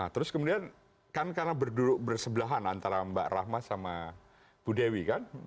terus kemudian kan karena berduduk bersebelahan antara mbak rahma sama bu dewi kan